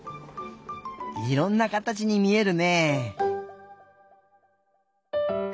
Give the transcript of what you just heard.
いろんなかたちにみえるねえ。